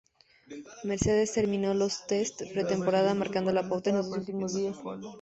Mercedes terminó los tests de pretemporada marcando la pauta en los dos últimos días.